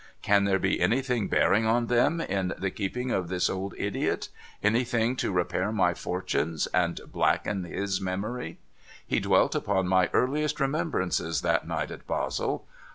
Can there be anything bearing on them, in the keeping of this old idiot ? Anything to repair my fortunes, and blacken his memory ? He dwelt upon my earliest remembrances, that night at Basle.